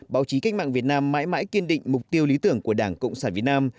báo chí cách mạng việt nam mãi mãi kiên định mục tiêu lý tưởng của đảng cộng sản việt nam